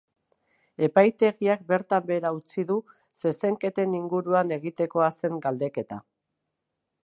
Epaitegiak bertan behera utzi du zezenketen inguruan egitekoa zen galdeketa.